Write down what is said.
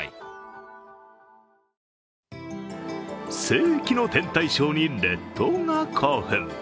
世紀の天体ショーに列島が興奮。